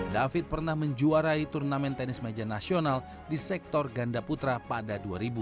david pernah menjuarai turnamen tenis meja nasional di sektor ganda putra pada dua ribu